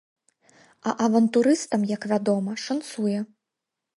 А авантурыстам, як вядома, шанцуе.